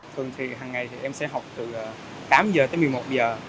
thường thì hằng ngày thì em sẽ học từ tám giờ tới một mươi một giờ